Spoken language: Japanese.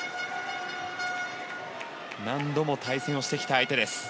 何度も対戦をしてきた相手です。